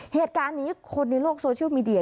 เหตุการณ์นี้คนในโลกโซเชียลมีเดีย